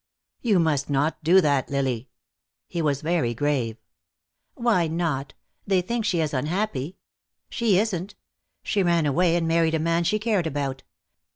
"You must not do that, Lily." He was very grave. "Why not? They think she is unhappy. She isn't. She ran away and married a man she cared about.